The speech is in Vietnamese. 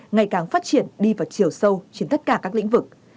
ngày càng phát triển đi vào chiều sâu trên tất cả các lĩnh vực